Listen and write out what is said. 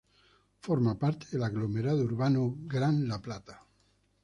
Forma parte del aglomerado urbano Gran La Plata.